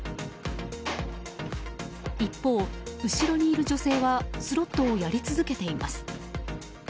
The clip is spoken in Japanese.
一方、後ろにいる女性はスロットをやり続けています。